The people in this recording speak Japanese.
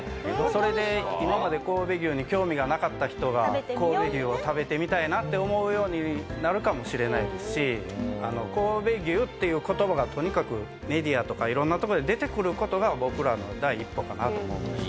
それで今まで神戸牛に興味がなかった人が神戸牛を食べてみたいなって思うようになるかもしれないですし「神戸牛」っていう言葉がとにかくメディアとか色んなとこで出てくる事が僕らの第一歩かなと思うんです。